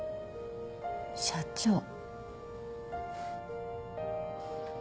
社長。